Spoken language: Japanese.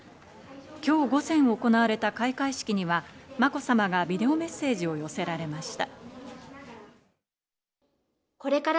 今日午前行われた開会式には、まこさまがビデオメッセージを寄せられました。